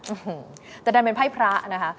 อื้อฮือแต่นั่นเป็นไพ่พระนะคะ